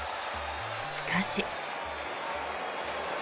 しかし。